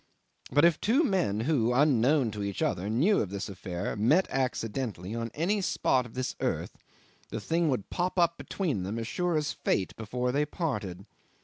But if two men who, unknown to each other, knew of this affair met accidentally on any spot of this earth, the thing would pop up between them as sure as fate, before they parted.